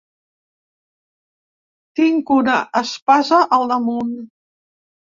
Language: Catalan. Tinc una espasa al damunt